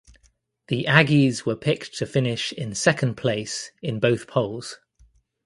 The Aggies were picked to finish in second place in both polls.